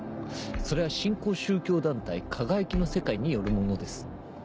「それは新興宗教団体『かがやきの世界』によるものです」。